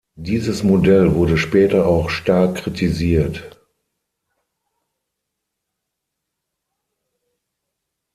Dieses Modell wurde später auch stark kritisiert.